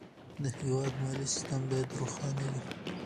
د هېواد مالي سیستم باید روښانه وي.